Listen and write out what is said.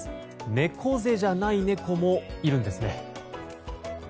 猫背じゃない猫もいるんですね。